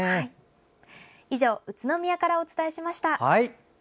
以上、宇都宮からお伝えしました。